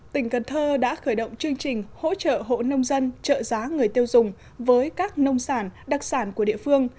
tỉnh cần thơ đã khởi động chương trình hỗ trợ hộ nông dân trợ giá người tiêu dùng với các nông sản đặc sản của địa phương